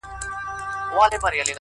پر مخ لاسونه په دوعا مات کړي.